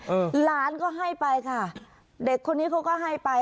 หลานก็ให้ไปค่ะเด็กคนนี้เขาก็ให้ไป